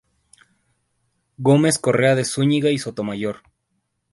Gómez Correa de Zúñiga y Sotomayor.